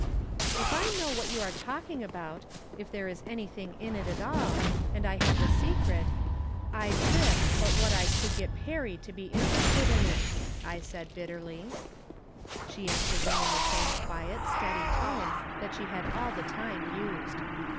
"If I knew what you are talking about — if there was anything in it all, and I had the secret From Different Standpoints. 67 — I'd risk, but what I could get Perry to be in terested in it," I said, bitterly. She answered me in the same quiet, steady tone that she had all the time used.